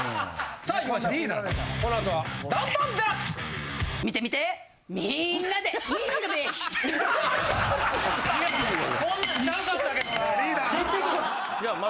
さあいきましょう。